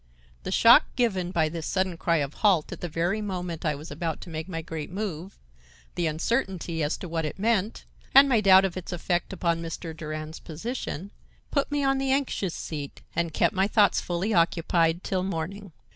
The shock given by this sudden cry of Halt! at the very moment I was about to make my great move, the uncertainty as to what it meant and my doubt of its effect upon Mr. Durand's position, put me on the anxious seat and kept my thoughts fully occupied till morning.